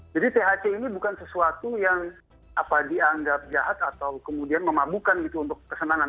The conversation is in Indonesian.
jadi thc ini bukan sesuatu yang apa dianggap jahat atau kemudian memabukan gitu untuk kesenangan